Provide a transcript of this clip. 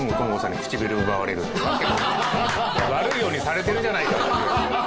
悪いようにされてるじゃないか。